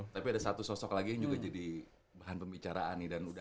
tapi ada satu sosok lagi yang juga jadi bahan pembicaraan nih